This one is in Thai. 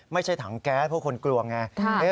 ถังแก๊สเพราะคนกลัวไง